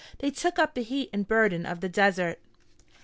They took up the heat and burden of the desert.